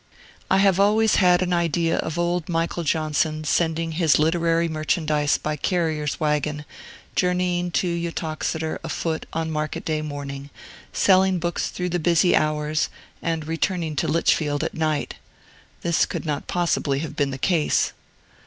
I have always had an idea of old Michael Johnson sending his literary merchandise by carrier's wagon, journeying to Uttoxeter afoot on market day morning, selling books through the busy hours, and returning to Lichfield at night. This could not possibly have been the case.